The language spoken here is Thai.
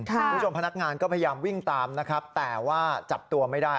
พนักงานก็พยายามวิ่งตามนะครับแต่ว่าจับตัวไม่ได้